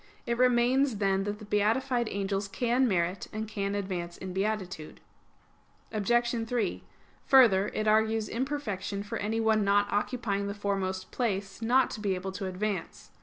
It remains, then, that the beatified angels can merit, and can advance in beatitude. Obj. 3: Further, it argues imperfection for anyone not occupying the foremost place not to be able to advance.